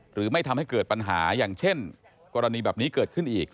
หรือไม่ทำให้เกิดปัญหาอย่างเช่นกรณีแบบนี้เกิดขึ้นอีก